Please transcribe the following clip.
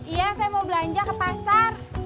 iya saya mau belanja ke pasar